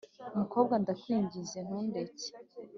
mukobwa ndakwinginze ntundeke